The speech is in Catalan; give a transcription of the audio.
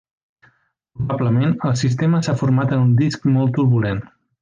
Probablement, el sistema s'ha format en un disc molt turbulent.